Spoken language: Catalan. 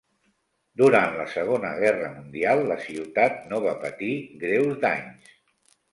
Durant la Segona Guerra mundial, la ciutat no va patir greus danys.